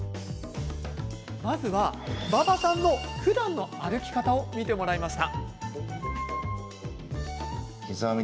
まずは、馬場さんのふだんの歩き方を見てもらいました。